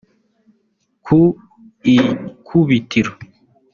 Ku ikubitiro